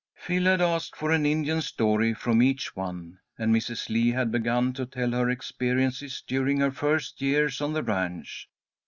Phil had asked for an Indian story from each one, and Mrs. Lee had begun to tell her experiences during her first years on the ranch.